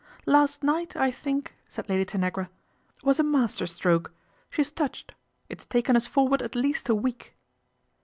" Last night, I think," said Lady Tanagra, " was a master stroke. She is touched ; it's taken us forward at least a week."